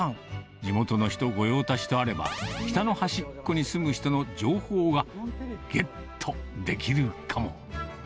地元の人御用達とあれば、北の端っこに住む人の情報がゲットできるかも。